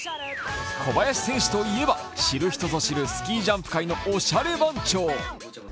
小林選手といえば、知る人ぞ知るスキージャンプ界のおしゃれ番長。